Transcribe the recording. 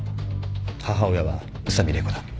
母親は宇佐美麗子だ。